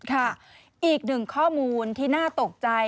อีกหนึ่งข้อมูลที่น่าตกใจ